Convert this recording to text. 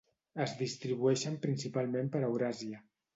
Es distribueixen principalment per Euràsia.